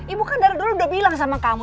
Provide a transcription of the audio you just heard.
ibu kan dari dulu udah bilang sama kamu